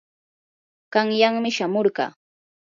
qanyanmi chamurqaa.